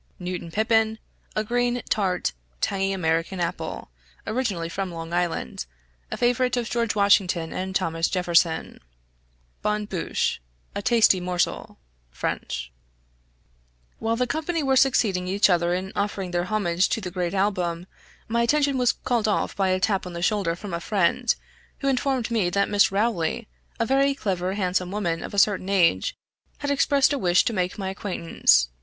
Newtown pippin = a green, tart, tangy American apple, originally from Long Island, a favorite of George Washington and Thomas Jefferson; bonne bouche = a tasty morsel (French)} While the company were succeeding each other in offering their homage to the great album, my attention was called off by a tap on the shoulder from a friend, who informed me that Miss Rowley, a very clever, handsome woman of a certain age, had expressed a wish to make my acquaintance.